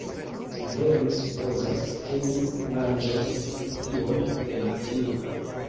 Do, mi supozas, ke ni manĝos ion el tio